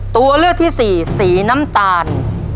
ตัวเลือกที่สี่สีน้ำตาล